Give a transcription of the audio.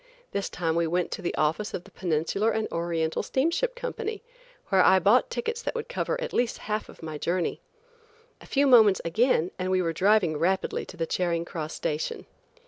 This time we went to the office of the Peninsular and Oriental Steamship Company, where I bought tickets that would cover at least half of my journey. A few moments again and we were driving rapidly to the Charing Cross station.